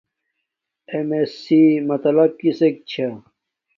اݵم اݵس سی مطلپ کِسݵک چھݳ؟